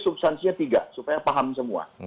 substansinya tiga supaya paham semua